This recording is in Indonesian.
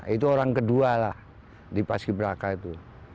itu orang kedua lah di paski beraka itu